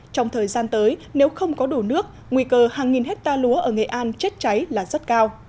trong thời gian tới nếu không có đủ nước nguy cơ hàng nghìn hectare lúa ở nghệ an chết cháy là rất cao